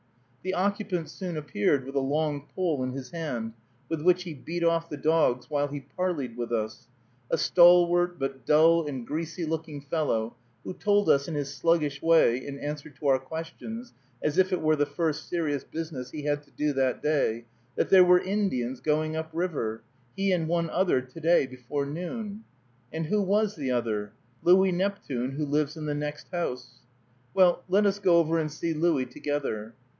The occupant soon appeared, with a long pole in his hand, with which he beat off the dogs, while he parleyed with us, a stalwart, but dull and greasy looking fellow, who told us, in his sluggish way, in answer to our questions, as if it were the first serious business he had to do that day, that there were Indians going "up river" he and one other to day, before noon. And who was the other? Louis Neptune, who lives in the next house. Well, let us go over and see Louis together.